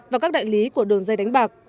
và các đại lý của đường dây đánh bạc